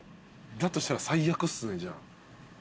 だとしたら最悪っすねじゃあ。